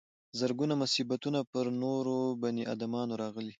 زرګونه مصیبتونه پر نورو بني ادمانو راغلي.